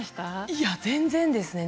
いや全然ですね。